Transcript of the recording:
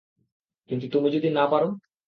কিন্তু তুমি যদি না পারো?